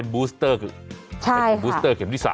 บูสเตอร์คือเข็มที่๓